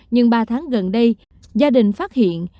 nhưng ba tháng gần đây gia đình phát hiện